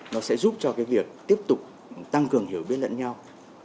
nó sẽ giúp cho cái việc tiếp tục tăng cường hiểu biết lẫn nhau